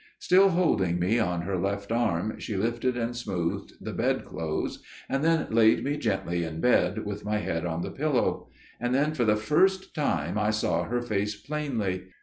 Still holding me on her left arm she lifted and smoothed the bedclothes, and then laid me gently in bed, with my head on the pillow. And then for the first time I saw her face plainly.